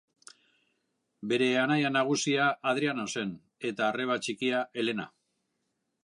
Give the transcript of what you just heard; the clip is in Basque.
Bere anai nagusia Adriano zen, eta arreba txikia Elena.